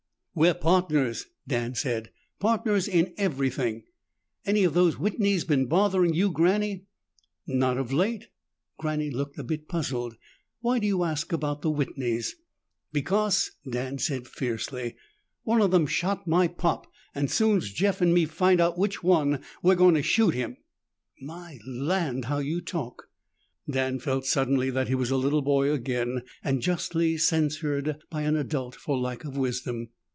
"We're partners," Dan said. "Partners in everything. Any of those Whitneys been bothering you, Granny?" "Not of late." Granny looked a bit puzzled. "Why do you ask about the Whitneys?" "Because," Dan said fiercely, "one of them shot my pop and soon's Jeff and me find out which one, we're going to shoot him!" "My land! How you talk!" Dan felt suddenly that he was a little boy again, and justly censured by an adult for lack of wisdom.